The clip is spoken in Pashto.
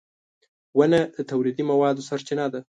• ونه د تولیدي موادو سرچینه ده.